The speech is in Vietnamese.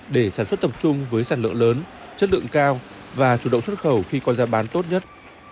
để sản xuất tập trung với sản lượng lớn chất lượng cao và chủ động xuất khẩu khi có giá bán tốt nhất